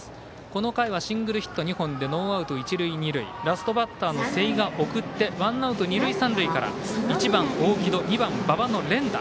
この回はシングルヒット２本でノーアウト、一塁二塁ラストバッターの瀬井が送ってワンアウト、二塁三塁から１番大城戸２番、馬場の連打。